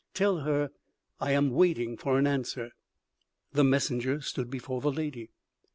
Tell her I am waiting for an answer." The messenger stood before the lady.